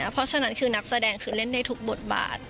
เพราะฉะนั้นคือนักแสดงคือเล่นได้ทุกบทบาท